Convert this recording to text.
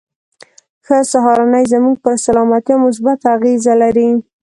ښه سهارنۍ زموږ پر سلامتيا مثبته اغېزه لري.